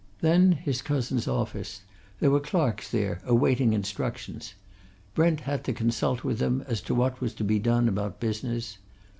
Then his cousin's office there were clerks there awaiting instructions. Brent had to consult with them as to what was to be done about business.